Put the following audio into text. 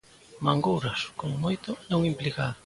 Mangouras, como moito, é un implicado.